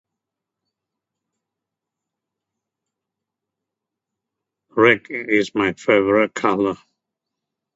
Red it is my favourite colour.